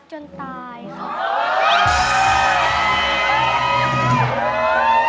เป็นเรื่องราวของแม่นาคกับพี่ม่าครับ